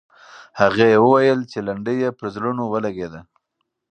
هغې وویل چې لنډۍ یې پر زړونو ولګېده.